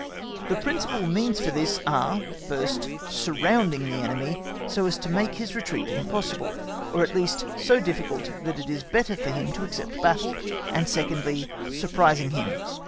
The principal means for this are—first surrounding the enemy so as to make his retreat impossible, or at least so difficult that it is better for him to accept battle; and, secondly, surprising him.